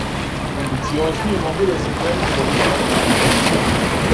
Амбициознији могу да се пењу по високим стенама.